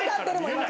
今。